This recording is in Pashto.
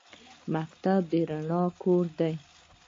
مکتب د رڼا کور دی